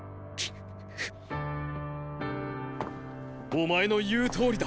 お前の言うとおりだ。